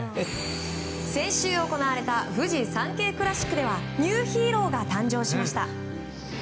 先週行われたフジサンケイクラシックではニューヒーローが誕生しました。